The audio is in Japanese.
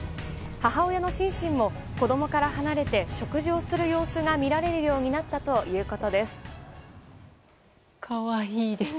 母親のシンシンも子供から離れて食事をする様子が見られるようになったということです。